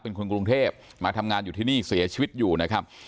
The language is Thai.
เป็นคนกรุงเทพมาทำงานอยู่ที่นี่เสียชีวิตอยู่นะครับ